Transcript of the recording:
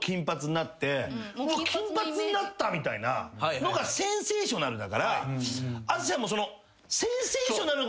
金髪になったみたいなのがセンセーショナルだからＡＴＳＵＳＨＩさんも。